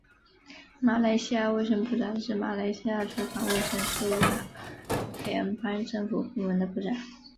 马来西亚卫生部长是马来西亚主管卫生事务的联邦政府部门的部长。